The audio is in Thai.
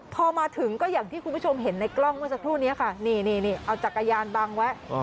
พอมาถึงก็อย่างที่คุณผู้ชมเห็นในกล้องเมื่อสักครู่นี้ค่ะนี่เอาจักรยานบังไว้